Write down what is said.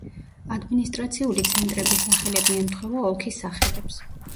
ადმინისტრაციული ცენტრების სახელები ემთხვევა ოლქის სახელებს.